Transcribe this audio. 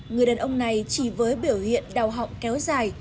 người đàn ông này chỉ với biểu hiện đau họng kéo dài